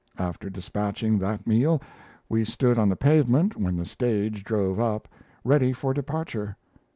After despatching that meal we stood on the pavement when the stage drove up, ready for departure.